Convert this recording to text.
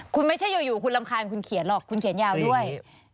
คุณไม่ใช่อยู่คุณรำคาญคุณเขียนหรอกคุณเขียนยาวด้วย